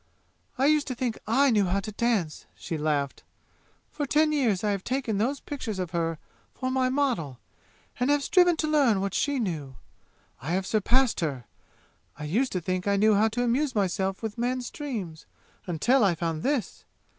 "I used to think I knew how to dance!" she laughed "For ten years I have taken those pictures of her for my model and have striven to learn what she knew. I have surpassed her! I used to think I knew how to amuse myself with men's dreams until I found this!